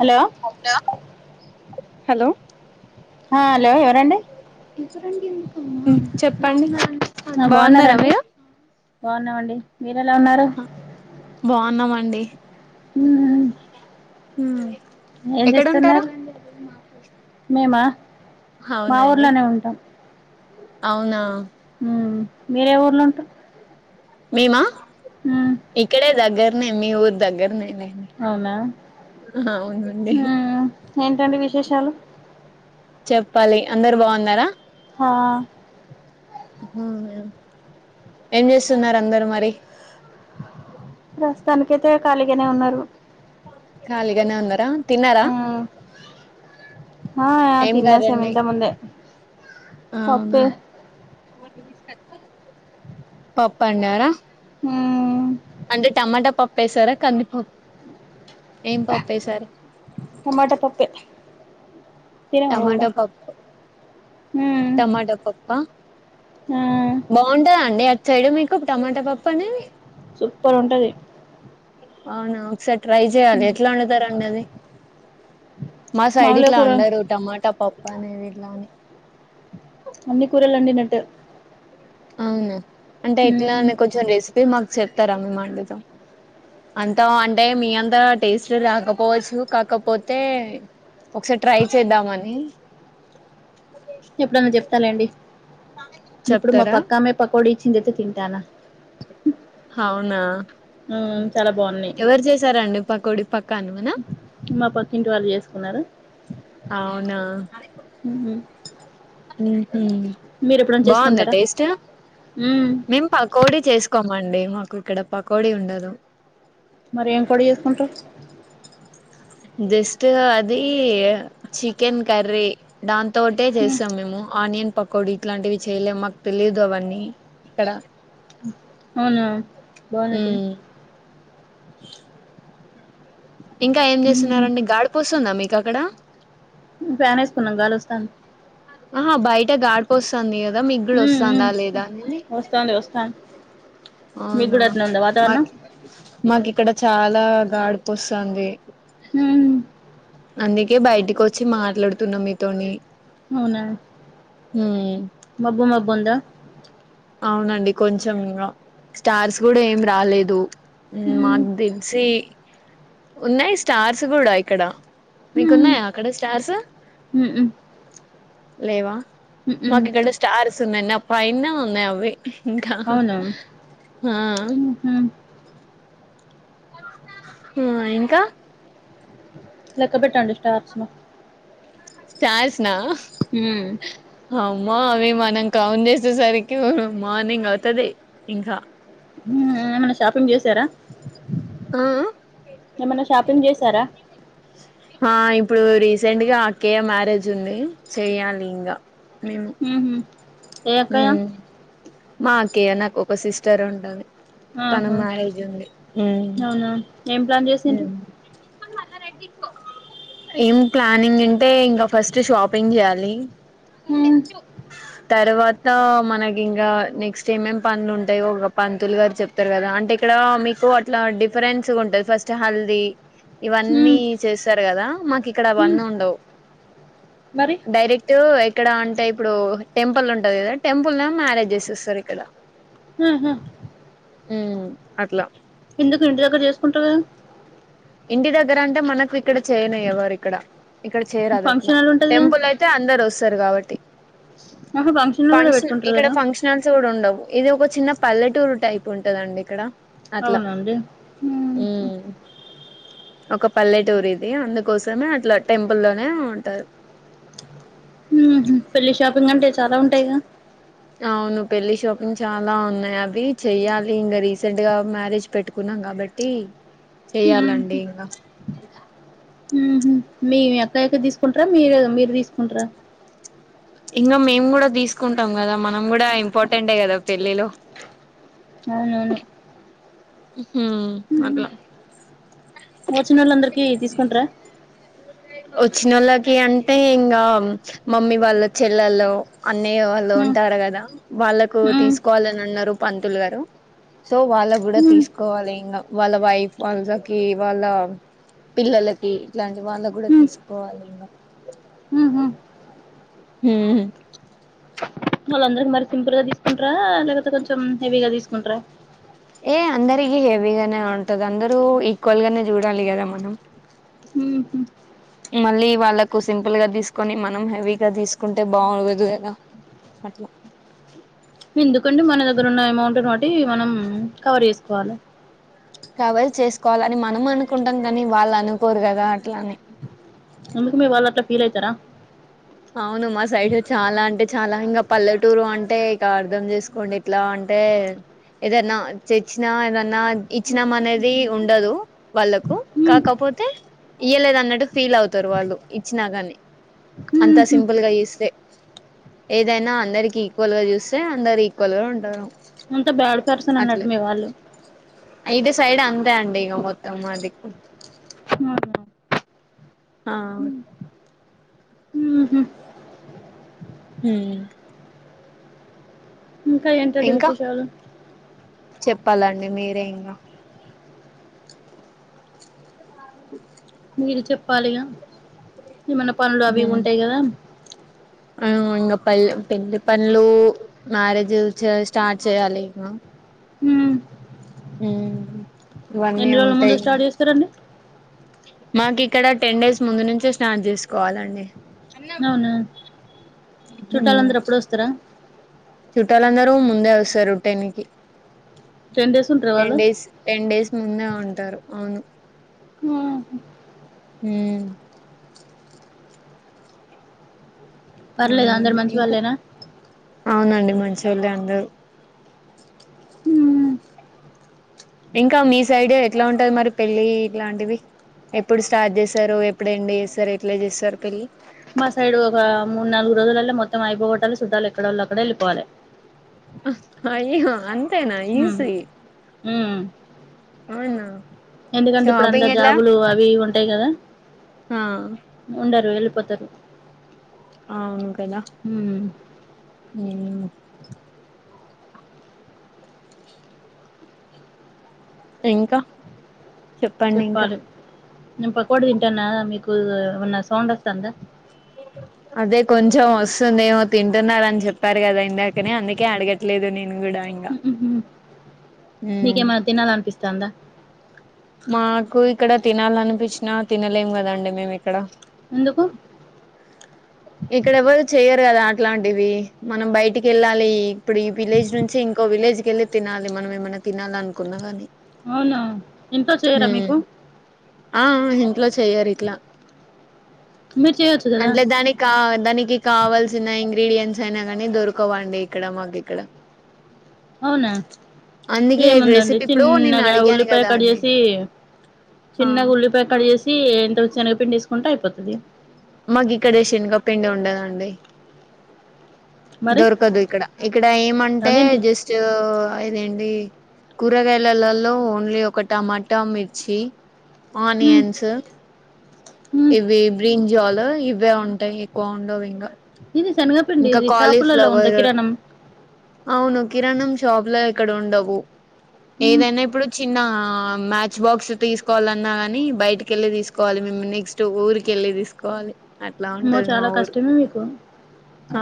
Hello hello ఆ hello ఎవరండి హ చెప్పండి బావున్నారా బాగున్నారా అండి బావున్నామండి బావున్నామండి హ్మ్ ఏంజెస్తున్నారు మేమా మా అవునండి ఊర్లనే ఉంటాం అవునా మ్మ్ మీరే ఊర్ల ఉంట్రూ మేమా ఇక్కడే దగ్గరనే మీ ఊరు దగ్గరనేనే అవునా ఆ ఏంటండి విశేషాలు చెప్పాలి అందర్ బావున్నరా హా మ్ హ్ ఏం జేసున్నార్ అందరు మరి ప్రస్తుతానికైతే ఖాళీగానే ఉన్నారు ఖాలిగానే ఉన్నారా తిన్నార మ్మ్ ఆ ఆ తినేసమ్ ఇంతముందే అవునా పప్పు పప్పండరా మ్మ్ అంటే టమాటా పప్పు ఏసారా కందిపప్ టమాట పప్పే తినవా నువ్వు కూడా టమాటా పప్పు మ్మ్ టమాటా పప్పా ఆ బావుంటద అండి అ చెయడ మీకు టమాటా పప్పని సుప్పర్ ఉంటది అవునా ఒకస ట్రై జేయాలి ఎట్లా ఓండుతార్ అండి అది మా సైడ్ మామూలుగా ఇట్లా కూర అండరు ట్ట పప్పు అనేది ఇట్లానే అన్ని కూరల్ అండి నట్టు అవునా అంటే ఇట్లానే కొంచెం రెసిపీ మాకు చెప్తారా మేం అండుతాం అంతో అంటే మీ అంతా టేస్ట్ రాకపోవచ్చు కాకపోతే ఒకసారి ట్రై చేద్దాం అని ఎప్పుడన్నా చెప్తలెండి ఇప్పుడు మా చెప్తారా పక్కామె పకోడి చిందైతే తింటానా అవునా మ్మ్ చాలా బాగున్నాయి ఎవరు జేసారండి పకోడి పక్కనునా క్కింటి వాళ్ళు చేసుకున్నారు అవునా మ్మ్ ఉహ్మ్ మీరు ఎప్పుడన్నా బావుందా చేసుకుంటారా టేస్ట్ మ్మ్ మేం పకోడి చేస్కోమ్ మండే మాకు ఇక్కడ పకోడి ఉండదు మరి ఏం కొడి చేసుకుంట్రూ జస్ట్ అది చికెన్ కర్రీ దన్ తోటే మ్మ్ చేస్సాం మేము ఆనియన్ పకోడి ఇట్లాంటివి చేయలేము మాక్ తెలిదు అవన్నీ ఇక్కడ అవునా బావున్నై తిన్ ఉమ్ ఇంకా ఏం చేసున్నారండి గాడ్పోసుందా మిక్ అక్కడ ఫ్యానెస్ అహా బయిట గాడ్పోసంది మీగ్ గుడ మ్మ్ మ్మ్ అస్సందా లేదా అని వస్తాంది వస్తాంది మీకు అవునా కూడా అట్నే ఉందా వాతావరణం మాక్ మాక్ ఇక్కడ చాలా గాడ్పోస్సంది ఉహ్మ్ అందుకే బయటికొచ్చి మాట్లాడుతున్నా మీతోని అవునా ఉమ్ మబ్బు మబ్బు ఉందా అవునండి కొంచెం ఇంగా స్టార్స్ కూడా ఏం రాలేదు మ్మ్ మాక్ దెలిసి ఉన్నాయి స్టార్స్ గూడా ఇక్కడ మ్మ్ మీకున్నాయా అక్కడ స్టార్స్ మ్మ్ లేవా మ్మ్ మ్మ్ మాకు ఇక్కడ స్టార్స్ ఉన్నాయి నా పైన న్నాయవ్వి ఇంకా అవునా హా ఊహు హ ఇంకా లెక్క బెటండి స్టార్స్ ను స్టార్స్ నా ఉమ్ అమ్మో అవి మనం కౌంట్ జేసే సరికి మార్నింగ్ అవుతది ఇంకా ఏమన్నా షాపింగ్ చేశారా ఆ ఏమనా షాపింగ్ చేసారా ఆ ఇప్పుడు రీసెంట్ గా అక్కేయ మ్యారేజ్ ఉంది చెయ్యాలి ఇంగా ఉమ్ ఊహు ఏ అక్కయ్య మా అక్కయ్య నాక్ ఒక సిస్టర్ ఉంటది తన ఆహా మ్యారేజ్ ఉంది ఉమ్ అవునా ఏం ప్లాన్ చేసిండ్రు [unintelligible] ఏం ప్లానింగ్ అంటే ఇంకా ఫస్ట్ షాపింగ్ చేయాలి ఊ తర్వాత మనకి ఇంకా నెక్స్ట్ ఏమేం పనులు ఉంటాయో పంతులు గారు చెప్తారు కదా అంటే ఇక్కడ మీకు అట్లా డిఫరెన్స్ ఉంటుంది ఫస్ట్ స్ట్ హల్దీ ఊ ఇవన్నీ చేస్తార్ గదా మాక్ ఇక్కడ ఊ అవన్నుండవ్ మరి ట్ ఎక్కడ అంటే ఇప్పుడు టెంపుల్ ఉంటది గదా టెంపుల్ న మ్యారేజ్ జేసేస్తార్ ఇక్కడ మ్మ్హు ఉమ్ అట్లా ఎందుకు ఇంటి దగ్గర చేసుకుంటార్ గదా ఇంటి దగ్గర అంటే మనకు ఇక్కడ చేయాలె ఎవరు ఇక్కడ ఇక్కడ చేయరాదు అట్లా ఫంక్షన్ హాల్ ఉంటది కదా టెంపుల్ అయితే అందరోస్తారు కాబట్ ఆహా హాల్ కూడా ఫంక్షన్ పెట్టుకుంటారు ఇక్కడ కదా ఫంక్షనల్స్ గూడా ఉండవు ఇది ఒక చిన్న పల్లెటూరు టైప్ ఉంటదండి ఇక్కడ అట్లా అవునండి ఉమ్ ఒక పల్లెటూర్ ఇది అందుకోసమే అట్లా టెంపుల్ లోనే ఉంటారు ఉహు పెళ్ళి షాపింగ్ అంటే చాలా ఉంటాయ్ గా అవును పెళ్లి షాపింగ్ చాలా ఉన్నాయ్ అవి చెయాలి ఇంగా రీసెంట్ గా మ్యారేజ్ పెట్టుకున్నాం కాబ బట్టి చెయాలండి ఊహు ఇంకా ఊహు మీ అక్కయకి తీసుకుంటారా మీరే మీర్ తీసుకుంటారా ఇంగా మేమ్ కూడా తీసుకుంటాం గదా మనం కూడా ఇంపార్టెంటే గదా పెళ్ళిలో అవునవును ఉమ్ అట్లా వచ్చినోళ్ళందరికి తీస్కుంట్ర వచ్చినోళ్ళకి అంటే ఇంగా మమ్మీ వాళ్ళ చెల్లల్లో అన్నయ్య వాళ్ళో ఉంట ర్ గదా వాళ్ళకు తీసుకోవాలని అన్నారు పంతులుగారు సో వాళ్ళక్ గూడా తీసుకోవాలే ఇంగా వాళ్ళ వైఫ్ వాళ్ళకి వాళ్ళ పిల్లలకి ఇట్లాంటి వాళ్ళక్ కూడా తీసుకోవాలి ఇంగా ఉహు వాళ్ళందరికి మరి సింపుల్ గా తీసుకుంటారా లేకపోతే కొంచం హెవీగా తీసుకుంటారా అంటే అందరికి హెవీగానే ఉంటది అందరు ఈక్వల్ గానే జుడాలి గదా మనం మళ్ళీ వాళ్ళకు సింపుల్ గా తీసుకుని మనం హెవీగా తీసుకుంటే బాగోదు గదా అట్లా ఎందుకండి మన దగ్గర ఉన్న అమౌంట్ బట్టి మనం కవర్ చేసుకోవాలి కావాల్ చేసుకోవాలని మనం అనుకుంటాం కానీ వాళ్ళనుకోరు గదా అట్లాని ఎందుకు మీ వాళ్ళట్లా ఫీలైతారా అవును మా సైడ్ చాలా అంటే చాలా ఇంగ పల్లెటూరు అంటే ఇక అర్ధం జేస్కోండి ఏట్లా అంటే ఏదన్నా చెచ్చినా ఏదన్నా ఇచ్చిమానేది ఉండదు వాళ్ళకు కాకపో పోతే ఇయ్యలేద్ అన్నట్టు ఫీల్ అవుతారు వాళ్ళు ఇచ్చినా గాని అంతా సింపుల్ గా ఈస్తే ఏదైనా అందరికి ఈక్వల్ గా చూస్తే అందరు ఈక్వల్ గా ఉంటారు అంత బ్యాడ పర్సన్ అట్లా అన్నట్టు మీ వాళ్ళు ఇటు సైడ్ అంతే అండి ఇంగ మొత్తం మాది ఆ ఊహు. హుమ్ ఇంకా ఎంటండి విశేషాలు చెప్పలండి మీరే ఇంగ మీరు చెప్పాలిగా ఏమన్నా పనులు అవి హ్మ్ ఉంటాయి కదా ఇంగ పల్ పెండ్లి పనులు మ్యారేజు చ స్టార్ట్ చేయాలి ఇంగ ఉ ఇవన్నీ ఎన్ని రోజుల ఉంటాయి ముందు స్టార్ట్ చేస్తారండి మాకి ఇక్కడ టెన్ డేస్ ముందు నుంచే స్టార్ట్ చేసుకోవాలండి అవునా హ్మ్ చుట్టాలందరు అప్పుడే వస్తరా చుట్టాలందరూ ముందే వస్తారు టెన్ కి టెన్ డేస్ ఉంటారా టెన్ వాళ్ళు డేస్ టెన్ డేస్ ముందే ఉంటారు అవును ఊహు. ఉమ్ పర్లేదు అందరు మంచి వాళ్ళేనా అవునండి మంచోళ్ళే అందరు ఇంకా మీ సైడ్ ఎట్లా ఉంటది మరి పెళ్ళి ఇట్లాంటివి ఎప్పుడు స్టార్ట్ చేసారు ఎప్పుడు ఎండ్ చేస్తారు ఎట్లా చేస్తారు పెళ్లి మా సైడ్ ఒక మూడు నాలుగు రోజులల్లో మొత్తం అయిపోగోట్టాలి చుట్టాలు ఎక్కడోళ్ళు అక్కడ వెళ్ళిపోవాలి అయ్యో అంతేనా ఉమ్ ఈజి ఉమ్ అవునా ఎందుకంటే ఇప్పుడు అంద షాపింగ్ ఎట్లా జాబులు అవి ఇవి ఉంటాయి కదా ఆ ఉండరు వెల్లి పోతరు ఆ అవును కదా ఉ మ్ చెప్పండి ఇంకా చెప్పాలి నేను పకోడి తింటానా మీకు ఏమన్న సౌండ్ వత్తందా అదే కొంచెం వస్తుందేమో తింటున్నారని చెప్పారు కదా ఇందాకనే అందుకే అడగట్లేదు నేను కూ డ ఇంగ నీకేమన్న తినాలనిపిస్తాందా మాకు ఇక్కడ తినాలనిపించినా తినలేం కదండి మేము ఇక్కడ ఎందుకు ఇక్కడ ఎవరు చెయరు కదా అట్లాంటివి మనం బయటికెళ్ళాలి ఇప్పుడు ఈ విలేజ్ నుంచి ఇంకో విలే జ్కిల్లి తినాలి మనం ఏమైనా తినాలి అనుకున్నా గాని అవునా ఇంట్లో చేయరా మీకు ఆ ఇంట్లో చెయ్యరు ఇట్ల మీరు చేయొచ్చు కదా అంట్లే దానికి కా దనికి కావల్సిన ఇంగ్రీడియంట్స్ అయిన గానీ దొరకవండి ఇక్కడ మాకు ఇక్కడ అవునా అందుకే ఏముందండి రెసిపీ ఇప్పుడు నేను చిన్నగ అడిగాను ఉల్లిపాయ కదా కట్ అండి చేసి ఆ చిన్నగా ఉల్లిపాయ కట్ చేసి ఎంత శనగ పిండివేసుకుంటే అయిపోతది మాకు ఇక్కడ శనగపిండి ఉండదండి మరి దొరకదు ఇక్కడ ఇక్కడ ఏమంటే అదేంటి జస్టు అయిదండి కూరగాయలలలో ఓన్లీ ఒక టమాటా మిర్చి ఉమ్ ఆనియన్సు ఉమ్ ఇవి బ్రీన్జాలు ఇవే ఉంటయి ఎక్కువ ఉండవింగా ఇది శనగపిండి ఇది షాపులలో ఉంటద్ కిరాణం అవును కిరాణం షాప్లో ఇక్కడ ఉండవు ఉమ్ ఏదైనా ఇప్పుడు చిన్నా మ్యాచ్ బాక్స్ తీసుకోవాలన్నా గని బయటికెళ్ళి తీసుకోవాలి మేము నెక్స్ట్ ఊరికెళ్ళి తీసుకోవాలి అట్లా అమ్మో ఉంటది మా చాలా ఊరు కష్టమే మీకు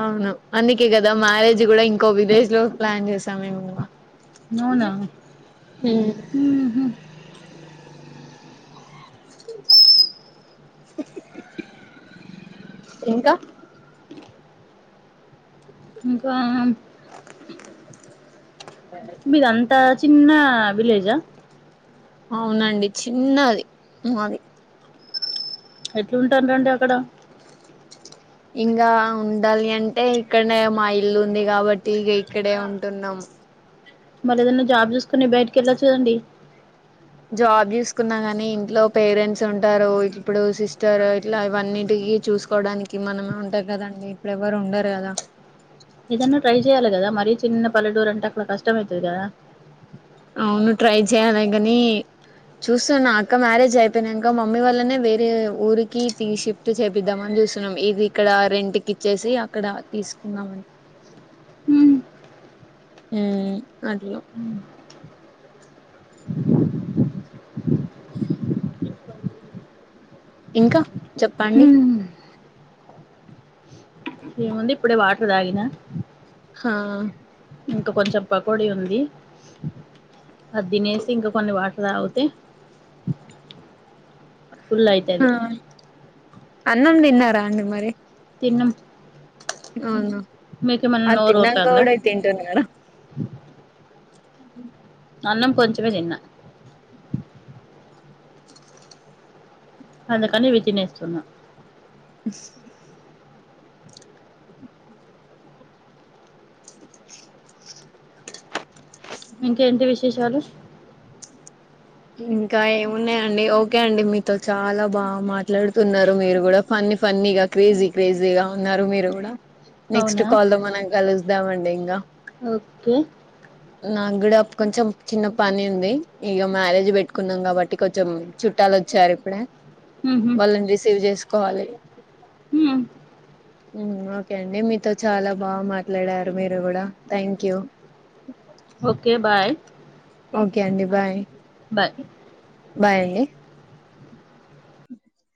అవును అందుకే గదా మ్యారేజ్ గూడా ఇంకో విలేజ్ లో ప్లాన్ చేసాము మేము అవునా మ్ ఉహు ఇంకా ఇంకా మిదంతా చిన్నా విలేజా అవునండి చిన్నది మాది ఎట్లుంటాన్రండి అక్కడ ఇంగా ఉండాలి అంటే ఇక్కడనే మా ఇల్లు ఉంది గాబట్టి ఇగ ఇక్కడే ఉంటున్నం మరేదన్న జాబ్ చూసుకొని బయటికెళొచ్చు కదండి జాబ్ చూసుకున్నా గని ఇంట్లో పేరెంట్స్ ఉంటారు ఇప్పుడు సిస్టర్ ఇట్లా ఇవన్నిటికి కి చూసుకోడానికి మనమే ఉంటం కదండి ఇప్పుడు ఎవ్వరు ఉండరు గదా ఏదన్నా ట్రై చేయాలి కదా మరీ చిన్న పల్లెటూరంటే అక్కడ కష్టమైతది గదా అవును ట్రై చేయాలి గనీ చూస్తున్నా అక్క మ్యారేజ్ అయిపోయినంక మమ్మీ వాళ్ళనే వేరే ఊరికి తీ షిఫ్ట్ చేపిద్దాం అన్ చుస్తున్నాం ఇది ఇక్కడ రెంట్ కిచ్చేసి అక్కడ తీసుకుందాం అని ఉమ్ మ్ అట్ల ఇంక చెప్పండి ఉమ్ ఏముంది ఇప్పుడే వాటర్ తాగిన హా ఇంక కొంచెం పకోడి ఉంది అది తినేసి ఇంకా కొన్ని వాటర్ తాగుతే ఫుల్ ఆ అయితది అన్నం తిన్నారా అండి మరి తిన్నం అవున ఆది నోరు తిన్నంక ఊరుతాందా కూడా ఇ తింటున్నారా అన్నం కొంచమే తిన్న అందుకనీ ఇవి తినేస్తున్న చేసేవళ్ళు ఇంకా ఏమున్నాయండి ఓకే అండి మీతో చాలా బాగా మాట్లాడుతున్నరు మీరు గూడా ఫన్ న్ని ఫన్నీ గా క్రేజీ క్రేజీ గా ఉన్నారు మీరు గూడా నెక్స్ట్ అవునా కాల్ లొ మనం కలుద్దామండి ఇగ ఓకే నాగూడ కొంచెం చిన్న పని ఉంది ఇగమ్యారేజ్ పెట్టుకున్నాం కాబట్టి కొంచెం చుట్ట లొచ్చారు ఇప్పుడే ఊహూ వాళ్ళని రిసీవ్ చేసుకోవాలి ఊ మ్ ఓకే అండి మీతో చాలా బాగ మాట్లాడారు మీరు గూడా thank you okay bye okay అండి బాయ్ బయ్ బాయ్ అండి